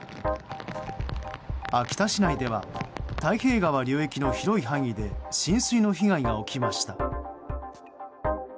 秋田市内では太平川流域の広い範囲で浸水の被害が起きました。